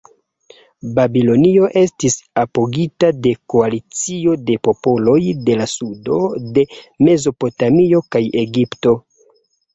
Babilonio estis apogita de koalicio de popoloj de la sudo de Mezopotamio kaj Egipto.